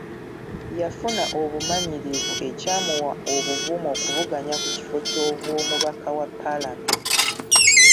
Yafuna obumanyirivu ekyamuwa obuvumu okuvuganya ku kifo ky'obwomubaka wa paalamenti.